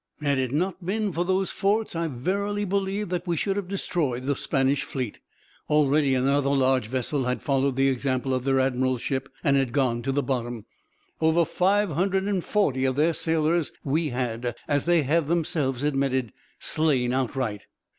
Had it not been for those forts, I verily believe that we should have destroyed the Spanish fleet. Already another large vessel had followed the example of their admiral's ship, and had gone to the bottom. Over 540 of their sailors we had, as they have themselves admitted, slain outright.